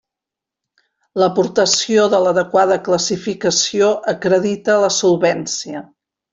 L'aportació de l'adequada classificació acredita la solvència.